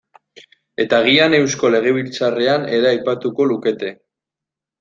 Eta agian Eusko Legebiltzarrean ere aipatuko lukete.